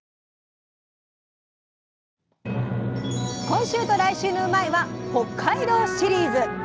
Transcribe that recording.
今週と来週の「うまいッ！」は北海道シリーズ！